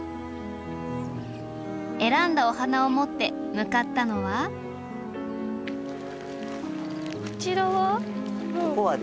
選んだお花を持って向かったのはこちらは？